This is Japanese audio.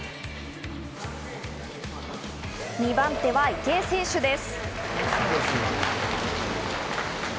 ２番手は池江選手です。